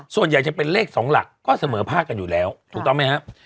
ส่วนใหญ่จะเป็นเลข๒หลักก็เสมอภาคกันอยู่แล้วถูกต้องไหมครับ